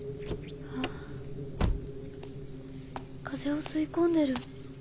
風を吸い込んでる。